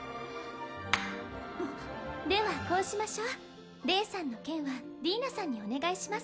ではこうしましょうレイさんの件はディーナさんにお願いします